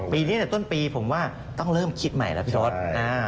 ปีนี้แต่ต้นปีผมว่าต้องเริ่มคิดใหม่แล้วพี่รถ